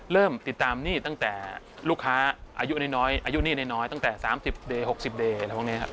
เริ่มติดตามหนี้ตั้งแต่ลูกค้าอายุนี้น้อยตั้งแต่๓๐๖๐วัน